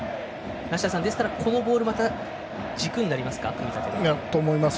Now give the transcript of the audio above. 梨田さん、このボールはまた軸になりますか、組み立て。と思います。